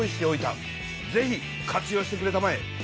ぜひ活用してくれたまえ！